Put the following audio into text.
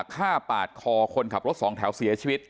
ฆ่าปาดคอคนขับรถสองแถวเสียชีวิต